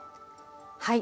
はい。